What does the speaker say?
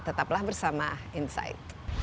tetaplah bersama insight